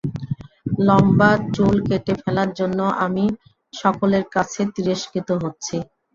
লম্বা চুল কেটে ফেলার জন্য আমি সকলের কাছে তিরস্কৃত হচ্ছি।